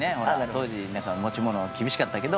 当時持ち物厳しかったけど。